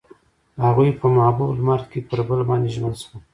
هغوی په محبوب لمر کې پر بل باندې ژمن شول.